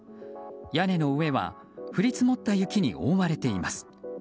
屋根の上は降り積もった雪に覆われています。